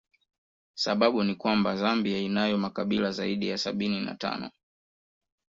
Sababu ni kwamba Zambia inayo makabila zaidi ya sabini na tano